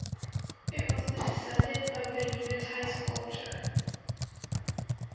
It was the descendant of the Unetice culture.